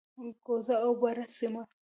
کوزه او بره سیمه،